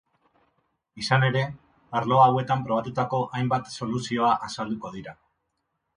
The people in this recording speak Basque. Izan ere, arlo hauetan probatutako hainbat soluzioa azalduko dira.